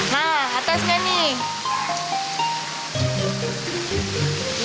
nah atasnya nih